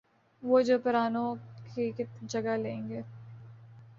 وہ جو پرانوں کی جگہ لیں گے۔